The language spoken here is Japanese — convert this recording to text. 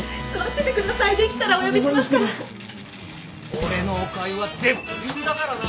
俺のおかゆは絶品だからな。